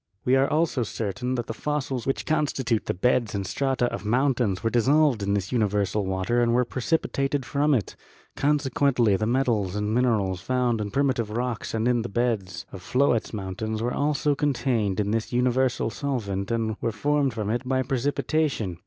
We are also certain that the fossils which constitute the beds and strata of mountains were dissolved in this universal water and were precipitated from it; consequently the metals and minerals found in primitive rocks and in the beds of floetz mountains were also contained in this universal solvent and were formed from it by precipitation.